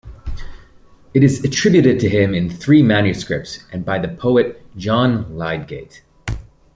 It is attributed to him in three manuscripts and by the poet John Lydgate.